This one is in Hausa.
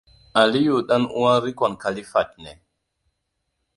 Aliyu ɗan uwan riƙon Khalifat ne.